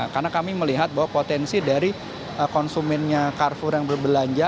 karena kami melihat bahwa potensi dari konsumennya carrefour yang berbelanja